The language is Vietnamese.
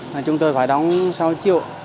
mà chúng tôi phải đóng sáu triệu